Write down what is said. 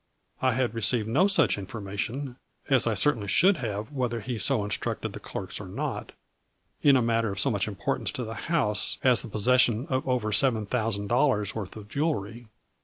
I had received no such information, as I certainly should have, whether he so instructed the clerks or not, in a matter of so much importance to the house as the possession of over seven thousand dollars' worth of jewelry.